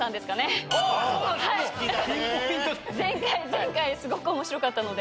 前回すごく面白かったので。